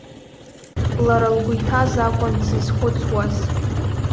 Лара лгәы иҭаз акәын дзызхәыцуаз.